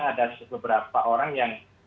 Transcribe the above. ada beberapa orang yang